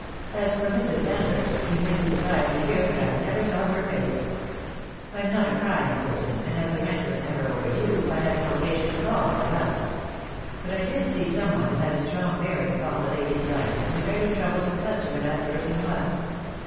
As for Mrs. Danvers, you may be surprised to hear that I never saw her face. I'm not a prying person, and as the rent was never overdue, I had no occasion to call at the house. But I did see some one who had a strong bearing upon the lady's life, and a very troublesome customer that person was."